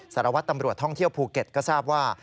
สารวัตรตำรวจท่องเที่ยวภูเก็ตก็ทราบว่า